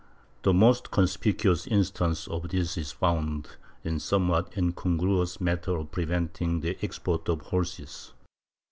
The most conspicuous instance of this is found in the somewhat incongruous matter of preventing the export of horses.